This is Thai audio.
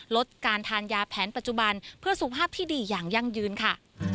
ลดการทานยาแผนปัจจุบันเพื่อสุขภาพที่ดีอย่างยั่งยืนค่ะ